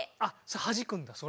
はじくんだそれを。